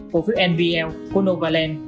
cổ phiếu nvl của novaland